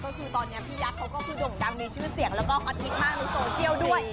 ก็คือตอนนี้พี่ยักษ์เขาก็คือด่งดังมีชื่อเสียงแล้วก็ฮอตฮิตมากในโซเชียลด้วย